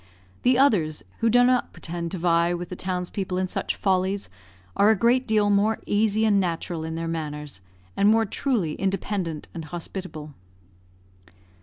The others, who do not pretend to vie with the townspeople in such follies, are a great deal more easy and natural in their manners, and more truly independent and hospitable.